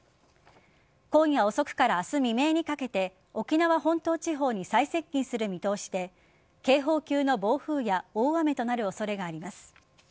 今夜遅くから明日未明にかけて沖縄本島地方に最接近する見通しで警報級の暴風や大雨となる恐れがあります。